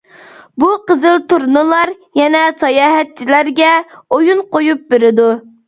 بۇ قىزىل تۇرنىلار يەنە ساياھەتچىلەرگە «ئويۇن قويۇپ» بېرىدۇ.